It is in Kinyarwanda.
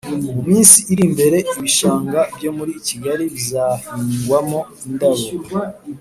Muminsi iri imbere ibishanga byo muri kigali bizahingwamo indabo